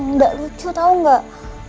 nggak lucu tahu nggak